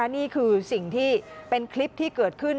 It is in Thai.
นี่คือสิ่งที่เป็นคลิปที่เกิดขึ้น